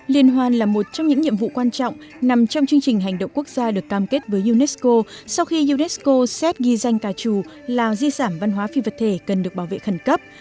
liên hoan là một trong những nhiệm vụ quan trọng nằm trong chương trình hành động quốc gia được cam kết với unesco sau khi unesco xét ghi danh ca trù là di sản văn hóa phi vật thể cần được bảo vệ khẩn cấp